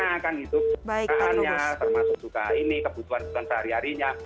mengenakan hidup kebutuhan termasuk juga ini kebutuhan sehari harinya